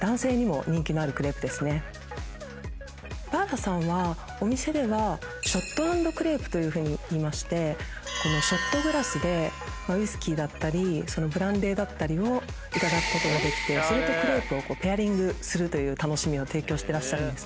「ＰＡＲＬＡ」さんはお店では。というふうに言いましてこのショットグラスでウイスキーだったりブランデーだったりをいただくことができてそれとクレープをペアリングするという楽しみを提供してるんですね。